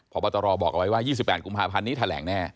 พบตรบอกเอาไว้ว่า๒๘กุมภาพันธ์นี้แถลงแน่